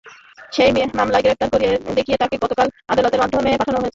সেই মামলায় গ্রেপ্তার দেখিয়ে তাঁকে গতকাল আদালতের মাধ্যমে জেলহাজতে পাঠানো হয়েছে।